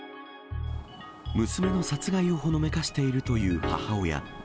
娘の殺害をほのめかしているという母親。